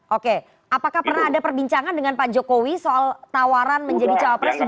oke apakah pernah ada perbincangan dengan pak jokowi soal tawaran menjadi cawapres di dua ribu dua puluh empat